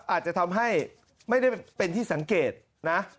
อาจจะทำให้ไม่ได้เป็นที่สังเกตนะ